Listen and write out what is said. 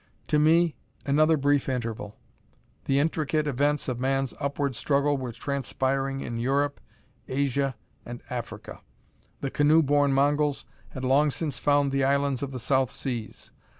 To me, another brief interval. The intricate events of man's upward struggle were transpiring in Europe, Asia and Africa. The canoe borne Mongols had long since found the islands of the South Seas.